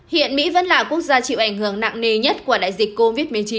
hiện mỹ vẫn là quốc gia chịu ảnh hưởng nặng nề nhất của đại dịch covid một mươi chín